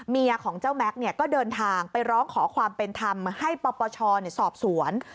ของเจ้าแม็กซ์ก็เดินทางไปร้องขอความเป็นธรรมให้ปปชสอบสวน